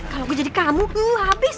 kalau gue jadi kamu habis